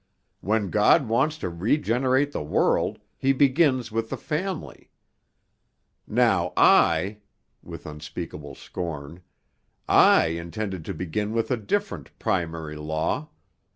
When God wants to regenerate the world, He begins with the family. Now I," with unspeakable scorn, "I intended to begin with a different primary law.